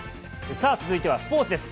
さあ、続いてはスポーツです。